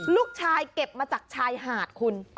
เก็บมาจากชายหาดคุณ